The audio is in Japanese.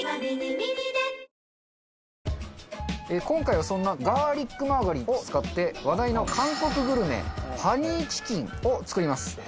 今回はそんなガーリックマーガリンを使って話題の韓国グルメハニーチキンを作ります。